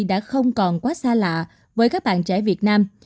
đã không còn quá xa lạ với các bạn trẻ việt nam